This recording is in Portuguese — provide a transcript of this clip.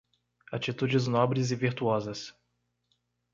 Atitudes nobres e virtuosas